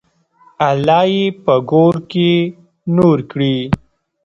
الله یې په ګور کې نور کړي.